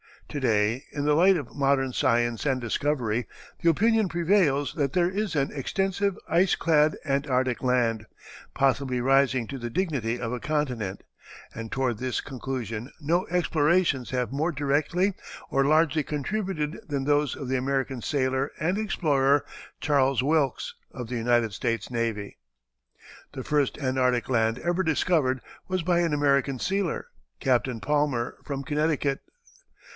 To day, in the light of modern science and discovery, the opinion prevails that there is an extensive ice clad Antarctic land, possibly rising to the dignity of a continent; and toward this conclusion no explorations have more directly and largely contributed than those of the American sailor and explorer, Charles Wilkes, of the United States Navy. The first Antarctic land ever discovered was by an American sealer, Captain Palmer, from Connecticut.